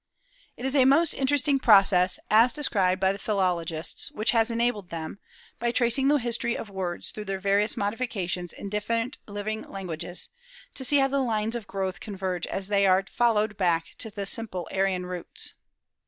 It is a most interesting process, as described by the philologists, which has enabled them, by tracing the history of words through their various modifications in different living languages, to see how the lines of growth converge as they are followed back to the simple Aryan roots.